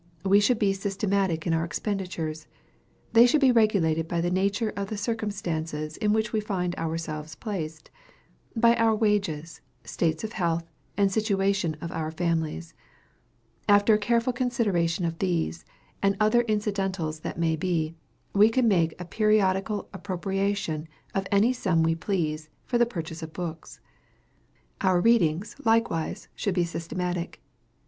We should be systematic in our expenditures. They should be regulated by the nature of the circumstances in which we find ourselves placed, by our wages, state of health, and the situation of our families. After a careful consideration of these, and other incidentals that may be, we can make a periodical appropriation of any sum we please, for the purchase of books. Our readings, likewise, should be systematic.